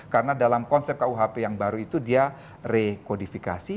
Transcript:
karena dalam konsep kuhp yang baru itu dia re kodifikasi